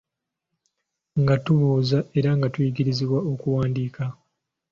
Nga tubuuza era nga tuyigirizibwa okuwandiika.